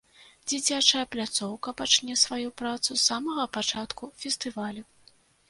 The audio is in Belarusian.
Дзіцячая пляцоўка пачне сваю працу з самага пачатку фестывалю.